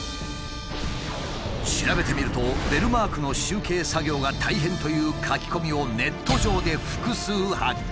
調べてみると「ベルマークの集計作業が大変」という書き込みをネット上で複数発見。